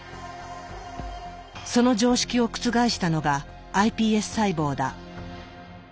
その常識を覆したのがｉＰＳ細胞だ。